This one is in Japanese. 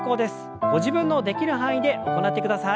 ご自分のできる範囲で行ってください。